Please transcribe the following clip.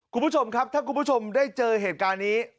คุณผู้ชมครับถ้าคุณผู้ชมได้เจอเหตุการณ์นี้